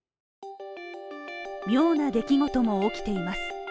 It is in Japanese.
妙な出来事も起きています。